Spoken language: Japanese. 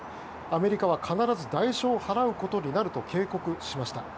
アメリカは必ず代償を払うことになると警告しました。